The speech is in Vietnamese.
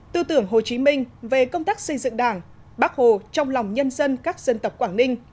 tư tưởng hồ chí minh về công tác xây dựng đảng bác hồ trong lòng nhân dân các dân tộc quảng ninh